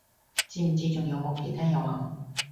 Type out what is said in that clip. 唔知仲有冇其他遊行